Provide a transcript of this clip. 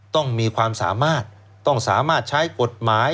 ต้องมีความสามารถต้องสามารถใช้กฎหมาย